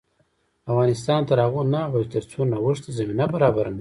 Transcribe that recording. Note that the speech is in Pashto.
افغانستان تر هغو نه ابادیږي، ترڅو نوښت ته زمینه برابره نشي.